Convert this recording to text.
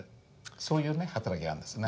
そういうね働きがあるんですね。